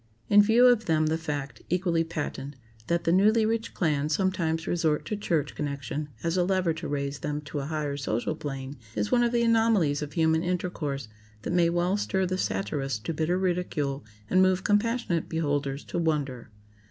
In view of them the fact, equally patent, that the Newlyrich clan sometimes resort to church connection as a lever to raise them to a higher social plane, is one of the anomalies of human intercourse that may well stir the satirist to bitter ridicule and move compassionate beholders to wonder.